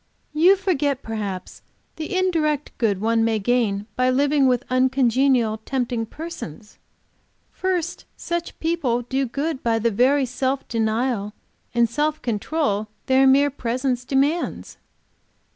"You forget perhaps the indirect good one may in by living with uncongenial, tempting persons. First such people do good by the very self denial and self control their mere presence demands.